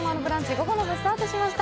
午後の部スタートしました。